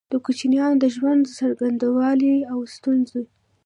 د کوچيانو د ژوند څرنګوالی او ستونزي